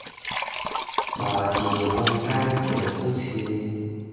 夏至風颱就出世